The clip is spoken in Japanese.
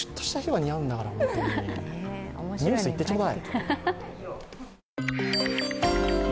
ニュースいってちょうだい。